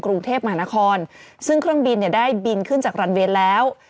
กรุงเทพมหานครซึ่งเครื่องบินเนี่ยได้บินขึ้นจากรันเวนแล้ว